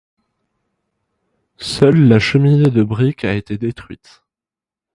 Seule la cheminée de brique a été détruite.